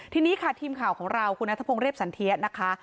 ทีนี้ค่ะทีมข่าวของเราคุณนัทพงศ์เรียบสันเทียนะคะ